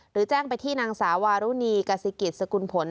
แจ้งไปที่นางสาวารุณีกสิกิจสกุลผล